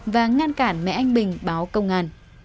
và ngăn cản mẹ anh bình báo công an